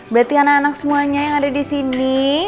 berarti anak anak semuanya yang ada di sini